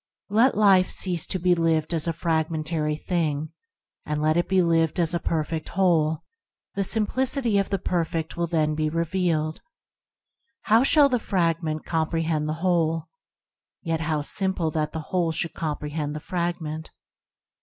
Let life cease to be lived as a fragmentary thing, and let it be lived as a perfect Whole; the simplicity of the Perfect will then be revealed. How shall the fragment com prehend the Whole ? Yet how simple that the Whole should comprehend the frag ment.